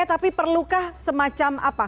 tapi perlukah semacam apa